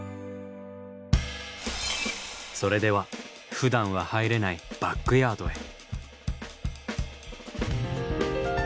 それではふだんは入れないバックヤードへ。